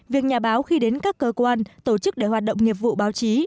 việc nhà báo khi đến các cơ quan tổ chức để hoạt động nghiệp vụ báo chí